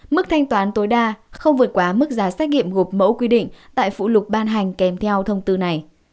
mức thanh toán tối đa không vượt quá mức giá xét nghiệm gộp mẫu quy định tại phụ lục ban hành kèm theo thông tư này